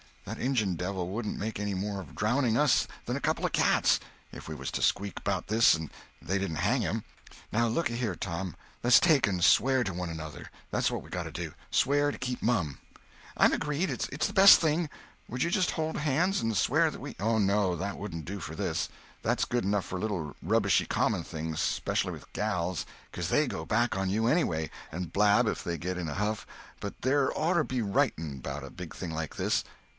That Injun devil wouldn't make any more of drownding us than a couple of cats, if we was to squeak 'bout this and they didn't hang him. Now, look a here, Tom, less take and swear to one another—that's what we got to do—swear to keep mum." "I'm agreed. It's the best thing. Would you just hold hands and swear that we—" "Oh no, that wouldn't do for this. That's good enough for little rubbishy common things—specially with gals, cuz they go back on you anyway, and blab if they get in a huff—but there orter be writing 'bout a big thing like this.